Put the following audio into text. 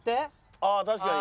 ああ確かに。